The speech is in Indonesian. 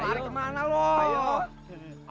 lu lari kemana loh